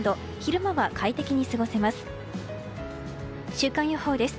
週間予報です。